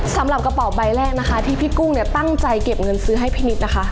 สำหรับกระเป๋าใบแรกนะคะที่พี่กุ้งเนี่ยตั้งใจเก็บเงินซื้อให้พี่นิดนะคะ